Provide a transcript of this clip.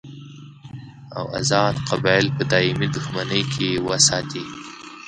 او ازاد قبایل په دایمي دښمنۍ کې وساتي.